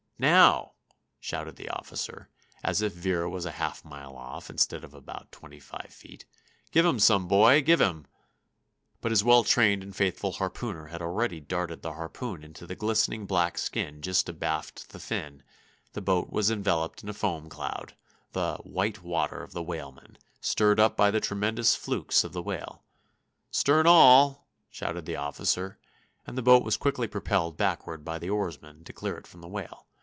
"Now!" shouted the officer, as if Vera was a half mile off, instead of about twenty five feet. "Give him some, boy! Give him—!" But his well trained and faithful harpooner had already darted the harpoon into the glistening black skin just abaft the fin; the boat was enveloped in a foam cloud—the "white water" of the whalemen, stirred up by the tremendous flukes of the whale. "Stern all!" shouted the officer; and the boat was quickly propelled backward by the oarsmen, to clear it from the whale.